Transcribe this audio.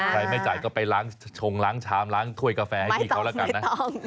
ไม่จ่ายก็ไปล้างชงล้างชามล้างถ้วยกาแฟให้พี่เขาแล้วกันนะ